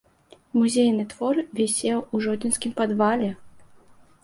Музейны твор вісеў у жодзінскім падвале.